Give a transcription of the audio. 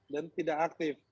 dan tidak aktif